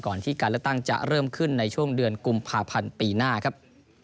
ที่การเลือกตั้งจะเริ่มขึ้นในช่วงเดือนกุมภาพันธ์ปีหน้าครับ